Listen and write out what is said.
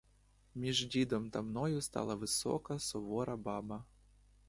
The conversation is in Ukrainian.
Між дідом та мною стала висока сувора баба.